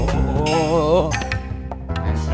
untung kamu enggak pakai motor